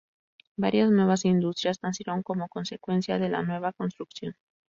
Varias nuevas industrias nacieron como consecuencia de la nueva construcción.